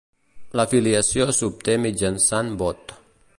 La filiació s'obté mitjançant vot.